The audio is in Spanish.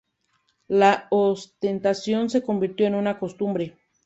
La ostentación se convirtió en una costumbre.